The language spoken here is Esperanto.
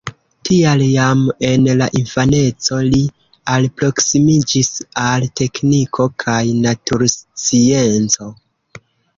Tial jam en la infaneco li alproksimiĝis al tekniko kaj naturscienco.